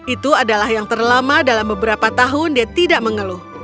itu adalah yang terlama dalam beberapa tahun dia tidak mengeluh